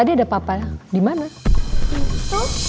dan berimak kepada kita